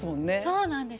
そうなんです。